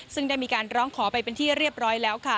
ซึ่งได้มีการร้องขอไปเป็นที่เรียบร้อยแล้วค่ะ